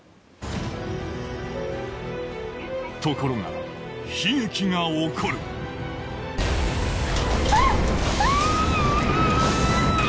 ところが悲劇が起こる「キャー！あっ！！」